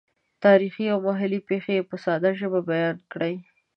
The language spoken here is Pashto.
تاریخي او محلي پېښې یې په ساده ژبه بیان کړې.